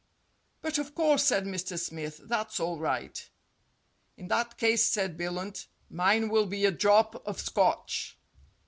"But, of course," said Mr. Smith, "that's all right." "In that case," said Billunt, "mine will be a drop of Scotch."